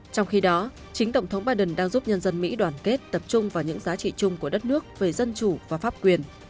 trong khi đó chính tổng thống biden đang giúp nhân dân mỹ đoàn kết tập trung vào những giá trị chung của đất nước về dân chủ và pháp quyền